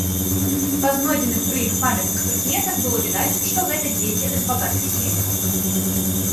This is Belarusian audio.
Па знойдзеных пры іх памятных прыкметах было відаць, што гэта дзеці з багатых сем'яў.